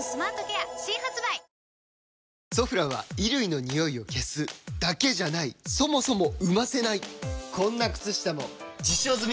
「ソフラン」は衣類のニオイを消すだけじゃないそもそも生ませないこんな靴下も実証済！